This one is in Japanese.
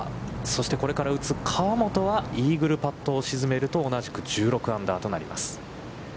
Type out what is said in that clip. そしてこれから打つ河本は、イーグルパットを沈めると、同じく１６アンダーとなります。